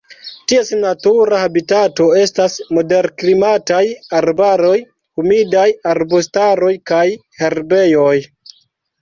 Ties natura habitato estas moderklimataj arbaroj, humidaj arbustaroj kaj herbejoj.